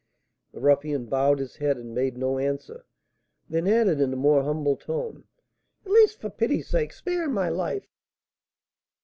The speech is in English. The ruffian bowed his head and made no answer; then added, in a more humble tone: "At least, for pity's sake, spare my life!"